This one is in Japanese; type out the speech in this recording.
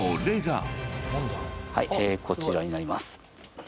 こちらになります。